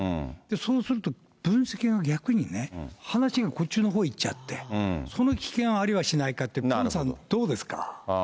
そうすると、分析が逆にね、話がこっちのほうにいっちゃって、その危険はありはしないかって、ピョンさん、どうですか。